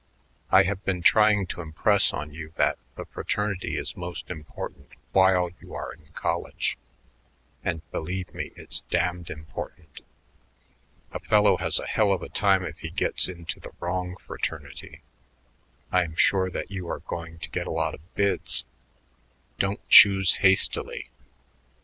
I have been trying to impress on you that the fraternity is most important while you are in college, and, believe me, it's damned important. A fellow has a hell of a time if he gets into the wrong fraternity.... I am sure that you are going to get a lot of bids. Don't choose hastily.